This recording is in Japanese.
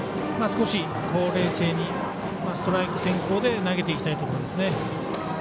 少し冷静に、ストライク先行で投げていきたいところですね。